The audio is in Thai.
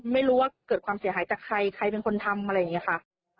ไม่รู้ว่าเกิดความเสียหายจากใครใครเป็นคนทำอะไรอย่างนี้ค่ะ